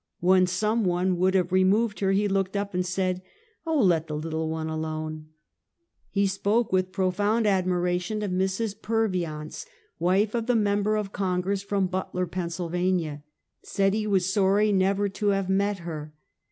When some one would have removed her, he looked up and said: " Oh, let the little one alone!" He spoke with profound admiration of Mrs. Purvi ance, wife of the member of Congress from Butler, Pa. Said he was sorry never to have met her.